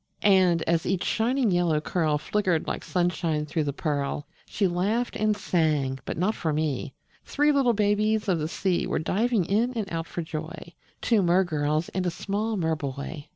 And, as each shining yellow curl Flickered like sunshine through the pearl, She laughed and sang but not for me: Three little babies of the sea Were diving in and out for joy Two mer girls and a small mer boy.